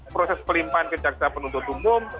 proses pelimpahan ke jaksa penuntut umum